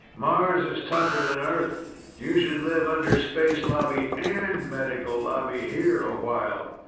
Mars is tougher than Earth. You should live under Space Lobby and Medical Lobby here a while.